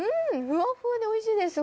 ふわっふわでおいしいです